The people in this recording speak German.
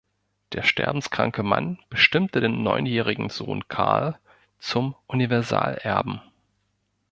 Der sterbenskranke Mann bestimmte den neunjährigen Sohn Karl zum Universalerben.